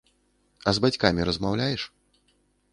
А з бацькамі размаўляеш?